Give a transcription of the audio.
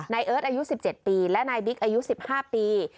เอิร์ทอายุ๑๗ปีและนายบิ๊กอายุ๑๕ปี